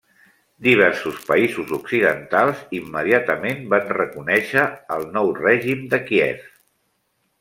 Diversos països occidentals immediatament van reconèixer al nou règim de Kíev.